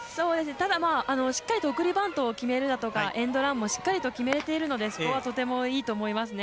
ただ、しっかりと送りバントを決めるだとかエンドランもしっかりと決めているのでそこはいいと思いますね。